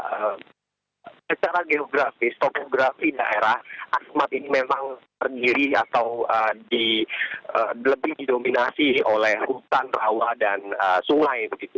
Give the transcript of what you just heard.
karena secara geografis topografi daerah asmat ini memang terdiri atau lebih didominasi oleh hutan rawa dan sungai begitu